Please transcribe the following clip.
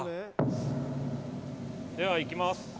では行きます。